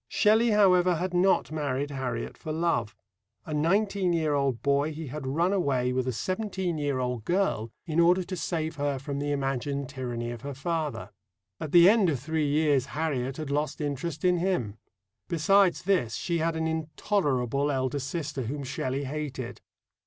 Shelley, however, had not married Harriet for love. A nineteen year old boy, he had run away with a seventeen year old girl in order to save her from the imagined tyranny of her father. At the end of three years Harriet had lost interest in him. Besides this, she had an intolerable elder sister whom Shelley hated.